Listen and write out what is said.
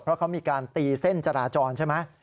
เพราะเขามีการตีเส้นจราจรใช่ไหม